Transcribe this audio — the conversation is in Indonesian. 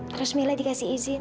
terus mila dikasih izin